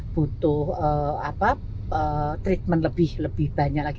butuh treatment lebih banyak lagi